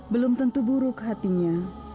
belum tentu buruk hatinya